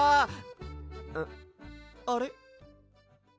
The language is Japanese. あれ？